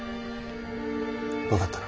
分かったな。